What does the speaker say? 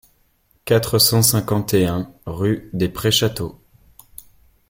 quatre cent cinquante et un rue des Prés Château